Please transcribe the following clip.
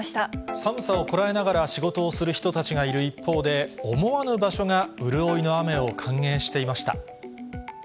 寒さをこらえながら仕事をする人たちがいる一方で、思わぬ場所が潤いの雨を歓迎していました。